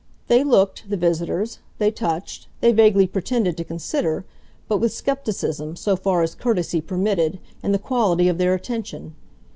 They looked, the visitors, they touched, they vaguely pretended to consider, but with scepticism, so far as courtesy permitted, in the quality of their attention.